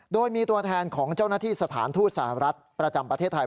โดยมีตัวแทนของเจ้าหน้าที่สถานทูตสหรัฐประจำประเทศไทย